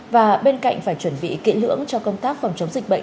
và bên cạnh phải chuẩn bị kỹ lưỡng cho công tác phòng chống dịch bệnh